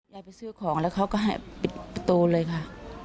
ไปซื้อของแล้วเขาก็ให้ปิดประตูเลยค่ะ